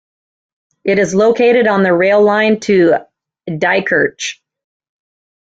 It is located on the rail line to Diekirch.